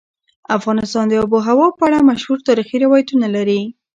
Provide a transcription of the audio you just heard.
افغانستان د آب وهوا په اړه مشهور تاریخي روایتونه لري.